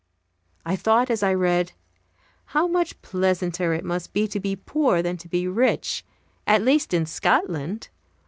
I thought as I read "How much pleasanter it must be to be poor than to be rich at least in Scotland!"